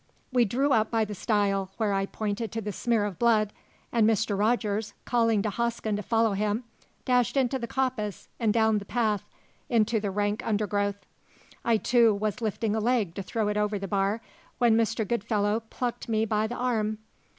We drew up by the stile, where I pointed to the smear of blood, and Mr. Rogers, calling to Hosken to follow him, dashed into the coppice and down the path into the rank undergrowth. I, too, was lifting a leg to throw it over the bar, when Mr. Goodfellow plucked me by the arm.